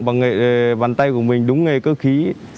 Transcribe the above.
bằng bàn tay của mình đúng nghề cơ khí